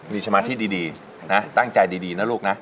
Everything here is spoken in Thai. มีสมาธิดีนะตั้งใจดีนะลูกนะ